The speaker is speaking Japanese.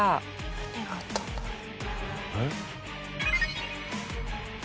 何があったんだろう？